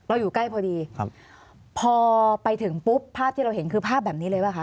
อยู่ใกล้พอดีครับพอไปถึงปุ๊บภาพที่เราเห็นคือภาพแบบนี้เลยป่ะค